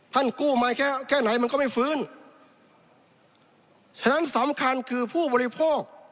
กู้มาแค่แค่ไหนมันก็ไม่ฟื้นฉะนั้นสำคัญคือผู้บริโภค